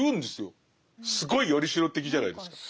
すごい依代的じゃないですか？